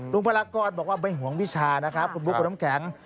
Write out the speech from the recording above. พลากรบอกว่าไม่ห่วงวิชานะครับคุณบุ๊คคุณน้ำแข็ง